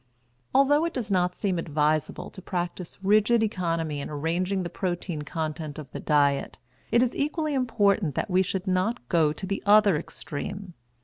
Although it does not seem advisable to practise rigid economy in arranging the protein content of the diet, it is equally important that we should not go to the other extreme.